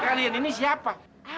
kalian ini siapa